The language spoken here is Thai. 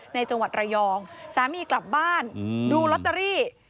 จังหวัดระยองสามีกลับบ้านดูลอตเตอรี่